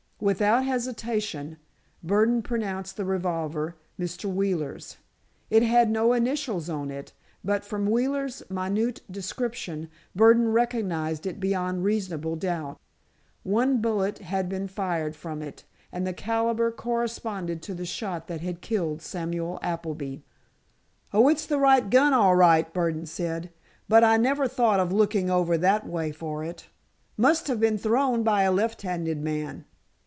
Without hesitation, Burdon pronounced the revolver Mr. Wheeler's. It had no initials on it, but from Wheeler's minute description, Burdon recognized it beyond reasonable doubt. One bullet had been fired from it, and the calibre corresponded to the shot that had killed Samuel Appleby. "Oh, it's the right gun, all right," Burdon said, "but I never thought of looking over that way for it. Must have been thrown by a left handed man."